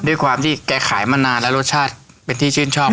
ด้วยความที่แกขายมานานแล้วรสชาติเป็นที่ชื่นชอบ